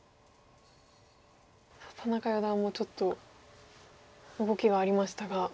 田中四段もちょっと動きがありましたが。